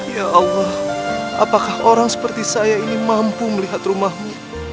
ya allah apakah orang seperti saya ini mampu melihat rumahmu